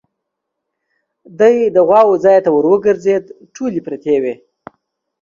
دی د غواوو ځای ته ور وګرځېد، ټولې پرتې وې.